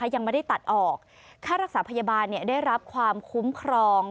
ยังไม่ได้ตัดออกค่ารักษาพยาบาลได้รับความคุ้มครอง